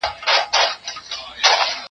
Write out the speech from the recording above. زه بايد کار وکړم،